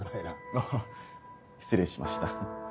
あっ失礼しました。